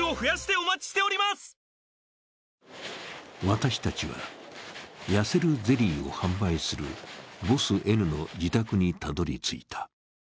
私たちは、痩せるゼリーを販売するボスＮの自宅にたどりついた。